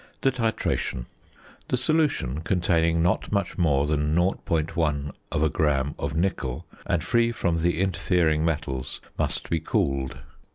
~The titration.~ The solution, containing not much more than 0.1 gram of nickel, and free from the interfering metals, must be cooled.